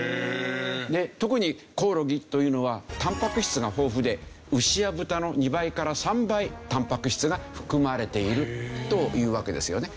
で特にコオロギというのはたんぱく質が豊富で牛や豚の２倍から３倍たんぱく質が含まれているというわけですよね。